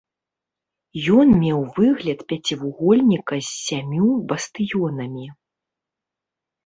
Ён меў выгляд пяцівугольніка з сямю бастыёнамі.